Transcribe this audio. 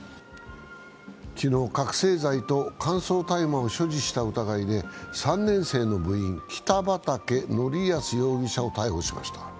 昨日、覚醒剤と乾燥大麻を所持した疑いで３年生の部員、北畠成文容疑者を逮捕しました。